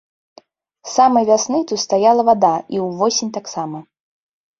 З самай вясны тут стаяла вада, і ўвосень таксама.